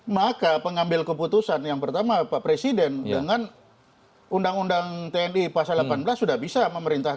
maka pengambil keputusan yang pertama pak presiden dengan undang undang tni pasal delapan belas sudah bisa memerintahkan